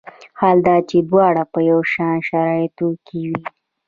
حال دا چې دواړه په یو شان شرایطو کې وي.